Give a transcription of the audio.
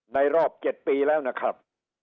รอบ๗ปีแล้วนะครับ